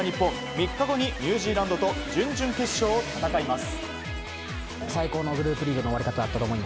３日後にニュージーランドと準々決勝を戦います。